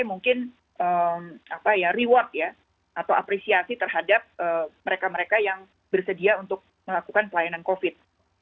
ini yang disebut sebagai mungkin apa ya reward ya atau apresiasi terhadap mereka mereka yang bersedia untuk melakukan pelayanan covid sembilan belas